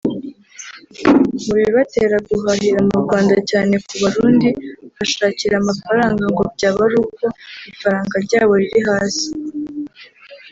Mu bibatera guhahira mu Rwanda cyane ku Barundi hashakira amafaranga ngo byaba ari uko ifaranga ryabo riri hasi